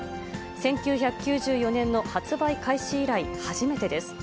１９９４年の発売開始以来、初めてです。